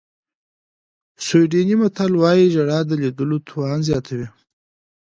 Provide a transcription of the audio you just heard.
سویډني متل وایي ژړا د لیدلو توان زیاتوي.